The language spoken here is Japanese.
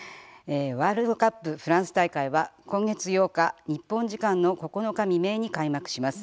ワールドカップフランス大会は今月８日、日本時間の９日未明に開幕します。